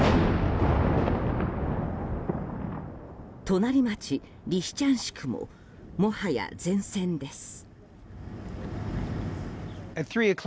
隣町リシチャンシクももはや前線です。